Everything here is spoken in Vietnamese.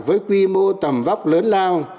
với quy mô tầm vóc lớn lao